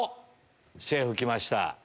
シェフ来ました。